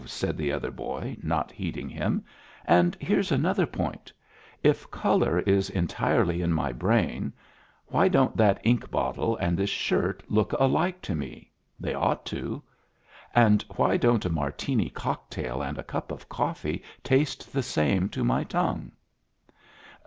said the other boy, not heeding him, "and here's another point: if color is entirely in my brain, why don't that ink bottle and this shirt look alike to me? They ought to. And why don't a Martini cocktail and a cup of coffee taste the same to my tongue?"